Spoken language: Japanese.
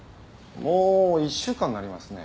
もう１週間になりますね。